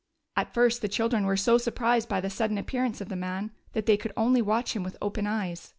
At first the children were so surprised by the sudden appearance of the man that they could only watch him with open eyes.